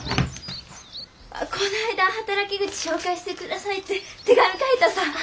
こないだ「働き口紹介して下さい」って手紙書いたさ。